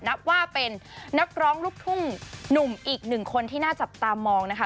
นับว่าเป็นนักร้องลูกทุ่งหนุ่มอีกหนึ่งคนที่น่าจับตามองนะคะ